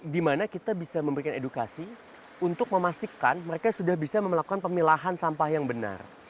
dimana kita bisa memberikan edukasi untuk memastikan mereka sudah bisa melakukan pemilahan sampah yang benar